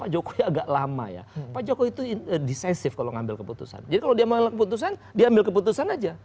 jadi kalau dia mau ambil keputusan dia ambil keputusan aja